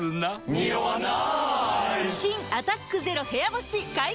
ニオわない！